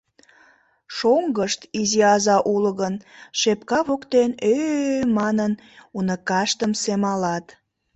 Шоҥгышт, изи аза уло гын, шепка воктен, ӧ-ӧ-ӧ манын, уныкаштым семалат.